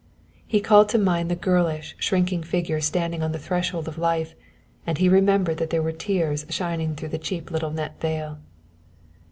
He called to mind the girlish, shrinking figure standing on the threshold of life, and he remembered that there were tears shining through the cheap little net veil.